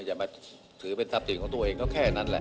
อย่ามาถือเป็นทรัพย์สินของตัวเองก็แค่นั้นแหละ